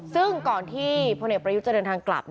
ซึ่งก่อนที่พลเอกประยุทธ์จะเดินทางกลับ